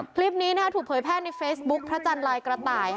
คลิปนี้ถูกเผยแพร่ในเฟซบุ๊คพระจันทร์ลายกระต่าย